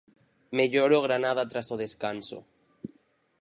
Mellor o Granada tras o descanso.